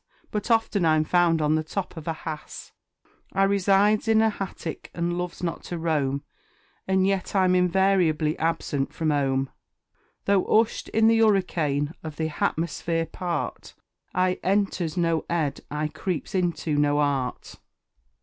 But often I'm found on the top of a Hass. I resides in a Hattic, and loves not to roam, And yet I'm invariably absent from 'Ome. Though 'ushed in the 'Urricane, of the Hatmosphere part, I enters no 'Ed, I creeps into no 'Art.